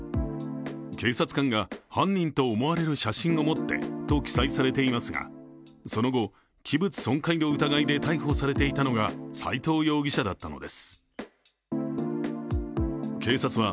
「警察官が犯人と思われる写真を持って」と記載されていますがその後、器物損壊の疑いで逮捕されていたのが斎藤容疑者だったのです。